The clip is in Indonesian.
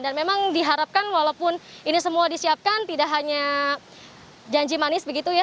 dan memang diharapkan walaupun ini semua disiapkan tidak hanya janji manis begitu ya